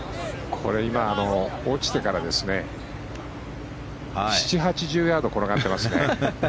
落ちてから７０８０ヤード転がってますね。